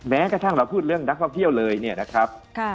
แม้กระทั่งเราพูดเรื่องนักท่องเที่ยวเลยเนี่ยนะครับ